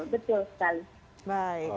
betul betul sekali